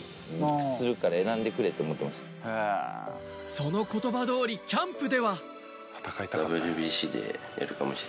その言葉通りキャンプでは。